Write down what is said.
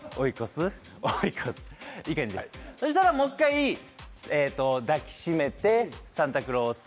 もう１回抱き締めてサンタクロース。